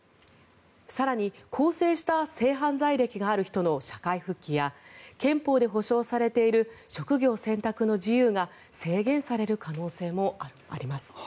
更に更生した性犯罪歴がある人の社会復帰や憲法で保障されている職業選択の自由が制限される可能性もあります。